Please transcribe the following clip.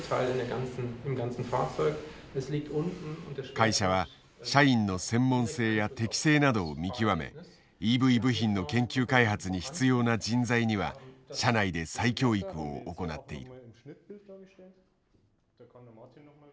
会社は社員の専門性や適性などを見極めＥＶ部品の研究開発に必要な人材には社内で再教育を行っている。